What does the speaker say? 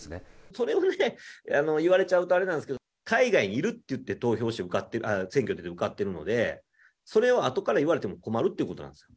それをね、言われちゃうとあれなんですけれども、海外にいると言って投票して選挙出て受かっているので、それをあとから言われても困るってことなんです。